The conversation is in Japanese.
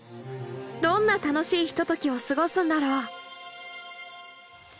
どんな楽しいひとときを過ごすんだろう。